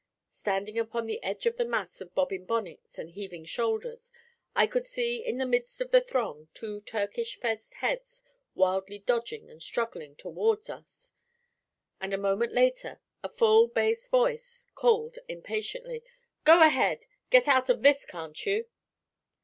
Standing upon the edge of the mass of bobbing bonnets and heaving shoulders, I could see in the midst of the throng two Turkish fezzed heads wildly dodging and struggling toward us, and a moment later a full bass voice called impatiently: 'Go ahead! Get out of this, can't you?'